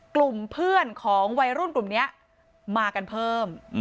กลุ่มเพื่อนของวัยรุ่นกลุ่มนี้มากันเพิ่ม